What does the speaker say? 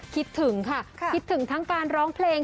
คิดถึงค่ะคิดถึงทั้งการร้องเพลง